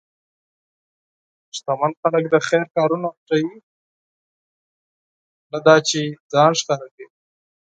شتمن خلک د خیر کارونه پټوي، نه دا چې ځان ښکاره کړي.